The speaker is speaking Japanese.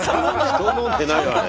「人」飲んでないわね。